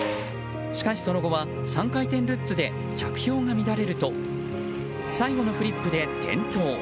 しかし、その後は３回転ルッツで着氷が乱れると最後のフリップで転倒。